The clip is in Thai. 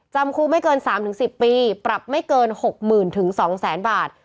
จำคุกไม่เกิน๓๑๐ปีปรับไม่เกิน๖๐๐๐๒๐๐๐บาท